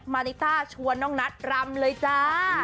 ริต้าชวนน้องนัทรำเลยจ้า